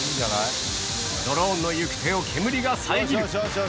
ドローンの行く手を煙が遮る。